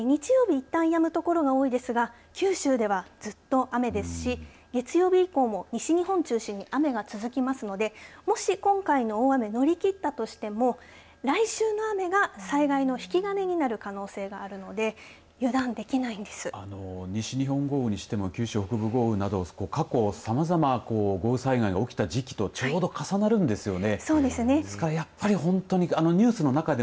いったんやむ所が多いですが九州では、ずっと雨ですし月曜日以降も西日本中心に雨が続きますのでもし今回の大雨乗り切ったとしても来週の雨が災害の引き金になる可能性があるので西日本豪雨にしても九州北部豪雨など過去さまざま豪雨災害が起きた時期とちょうど重なるんですよね。